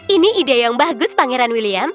ini ide yang bagus pangeran william